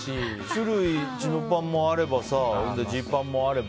種類、チノパンもあればジーパンもあれば。